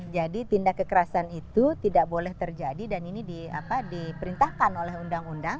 jadi tindak kekerasan itu tidak boleh terjadi dan ini di apa diperintahkan oleh undang undang